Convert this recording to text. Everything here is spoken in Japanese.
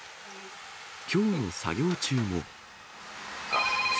きょうの作業中も。